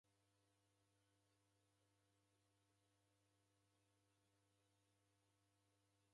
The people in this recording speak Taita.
Toe dadaghora daw'enda kwake laikini ndediendagha